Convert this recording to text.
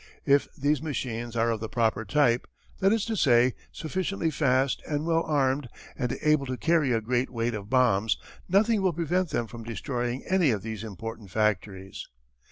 If these machines are of the proper type that is to say, sufficiently fast and well armed and able to carry a great weight of bombs nothing will prevent them from destroying any of these important factories.